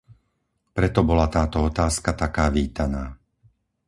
Preto bola táto otázka taká vítaná.